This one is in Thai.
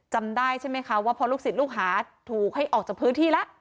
จำได้ใช่ไหมคะว่าพอลูกศิษย์ลูกหาถูกให้ออกจากพื้นที่แล้ว